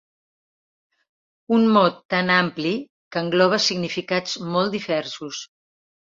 Un mot tan ampli que engloba significats molt diversos.